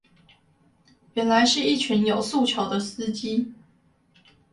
原來是一群有訴求的司機